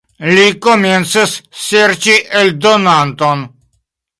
Li komencis serĉi eldonanton.